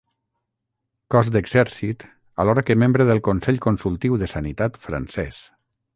Cos d'exèrcit, alhora que membre del Consell Consultiu de Sanitat Francès.